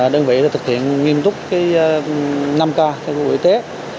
đơn vị thực hiện nghiêm túc năm ca theo bộ y tế